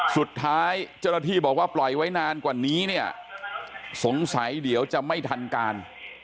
สุดท้ายเจ้าหน้าที่บอกว่าปล่อยไว้นานกว่านี้เนี่ยสงสัยเดี๋ยวจะไม่ทันการ